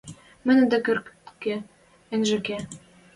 – Мӹндӹркӹ ӹнжӹ ке...